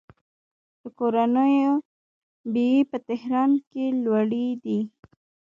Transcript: د کورونو بیې په تهران کې لوړې دي.